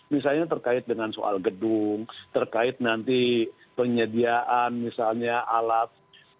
misalnya terkait dengan soal gedung terkait nanti penyediaan misalnya alat